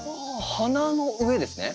花の上ですね？